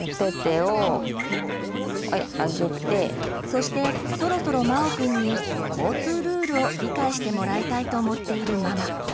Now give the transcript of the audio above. そしてそろそろまおくんに交通ルールを理解してもらいたいと思っているママ。